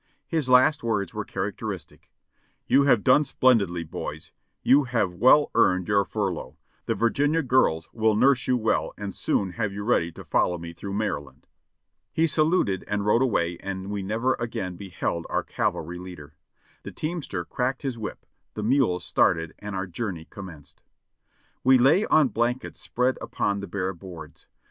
His last words were characteristic: "You have done splendidly, boys ! You have well earned your furlough ; the Virginia girls will nurse you well and soon have you ready to follow me through Maryland." He saluted and rode away and we never again beheld our cav alry leader. The teamster cracked his whip, the mules started and our jour ney commenced. We lay on blankets spread upon the bare boards.